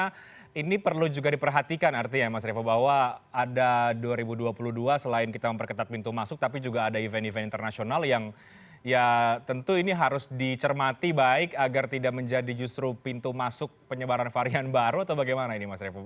karena ini perlu juga diperhatikan artinya mas revo bahwa ada dua ribu dua puluh dua selain kita memperketat pintu masuk tapi juga ada event event internasional yang ya tentu ini harus dicermati baik agar tidak menjadi justru pintu masuk penyebaran varian baru atau bagaimana ini mas revo